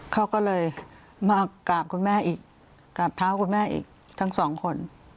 เขาก็เลยมากราบคุณแม่อีกกราบเท้าคุณแม่อีกทั้งสองคน